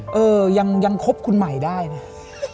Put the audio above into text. อืมแต่ยังครบคุณหมายได้เนี่ย